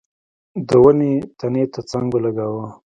د ونې تنې ته څنګ ولګاوه.